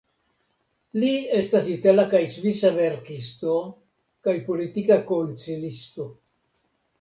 Li estas itala kaj svisa verkisto kaj politika konsilisto.